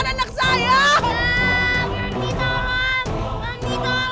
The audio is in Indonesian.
jangan makan adam